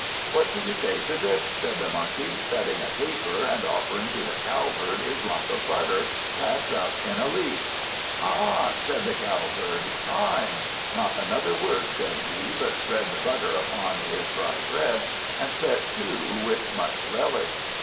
"What do you say to this?" said the Monkey, cutting a caper, and offering to the Cowherd his lump of butter, wrapped up in a leaf. "Ah," said the Cowherd, "prime." Not another word said he, but spread the butter upon his dry bread, and set to, with much relish.